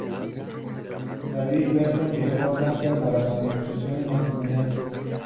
David Beaton viajó a Francia para las negociaciones matrimoniales.